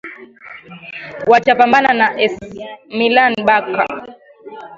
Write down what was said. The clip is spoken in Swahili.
watapambana na ac milan barca